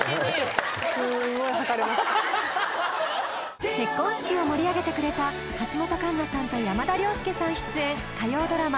スゴい吐かれました結婚式を盛り上げてくれた橋本環奈さんと山田涼介さん出演火曜ドラマ